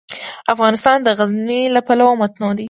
افغانستان د غزني له پلوه متنوع دی.